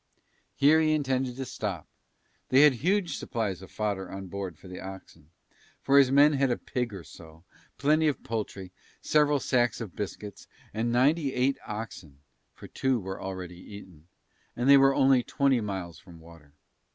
Here he intended to stop, they had huge supplies of fodder on board for the oxen, for his men he had a pig or so, plenty of poultry, several sacks of biscuits and ninety eight oxen (for two were already eaten), and they were only twenty miles from water.